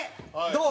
どう？